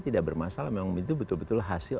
tidak bermasalah memang itu betul betul hasil